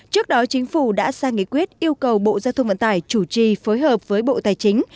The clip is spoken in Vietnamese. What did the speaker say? trước đó chính phủ đã sang nghị quyết yêu cầu bộ giao thông vận tải chủ trì phối hợp với bộ tài chính